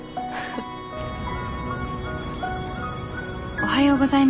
おはようございます。